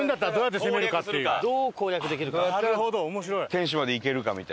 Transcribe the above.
天守まで行けるかみたいな。